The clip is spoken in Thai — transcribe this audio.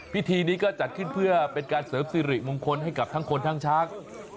พิธีนี้ก็จัดขึ้นเป็นเพื่อเสาร์ฟสิริมงคลทั้งคนทั้งช้าง